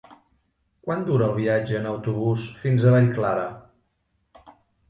Quant dura el viatge en autobús fins a Vallclara?